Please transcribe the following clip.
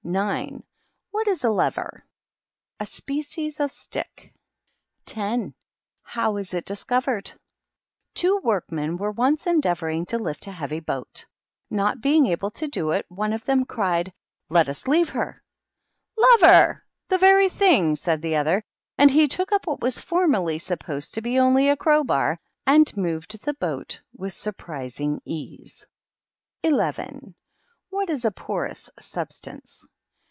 9. What is a lever f A ^ecies of stick. 10. How was it dis covered? Jkvo workmen were once endeavoring to lift a heavy boat. Not being able to do it, one of them cried, ' Let us leave her !'' Leoer ! the very thing,^ said the other. And he took up what was formerly supposed to be only a crowbar, and moved the boat vnth surprising ease. 11. What is a porous substance?